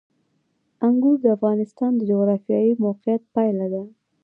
انګور د افغانستان د جغرافیایي موقیعت پایله ده.